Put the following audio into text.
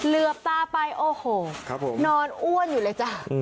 เหลือบตาไปโอ้โหนอนอ้วนอยู่เลยจ้ะ